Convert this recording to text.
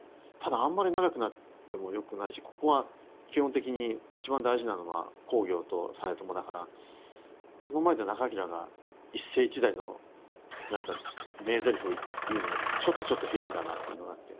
あんまり長くなってもよくないしここは基本的に一番大事なのは公暁と実朝だからその前で仲章が一世一代の何か名ゼリフを言うのもちょっとちょっとヘビーだなっていうのがあって。